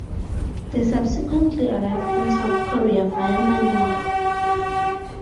They subsequently arrived in South Korea via Manila.